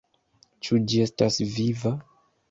Ĉu ĝi estas viva?